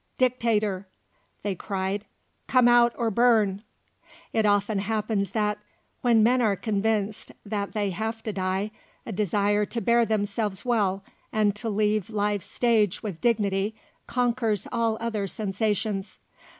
Dictator," they cried, "come out or burn!" It often happens that, when men are convinced that they have to die, a desire to bear themselves well and to leave life's stage with dignity conquers all other sensations.